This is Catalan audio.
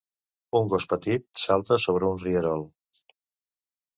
Un gos petit salta sobre un rierol.